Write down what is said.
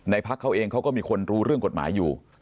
พักเขาเองเขาก็มีคนรู้เรื่องกฎหมายอยู่